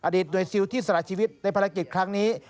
หน่วยซิลที่สละชีวิตในภารกิจครั้งนี้